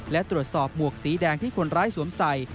และตรวจสอบหมวกสีแดงที่คนร้ายสวมใส่